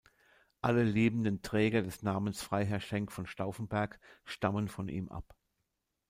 Alle lebenden Träger des Namens Freiherr Schenk von Stauffenberg stammen von ihm ab.